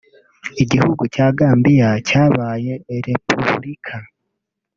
Igihugu cya Gambiya cyabaye repubulika